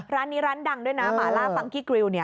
ร้านนี้ร้านดังด้วยนะหมาล่าฟังกี้กริวเนี่ย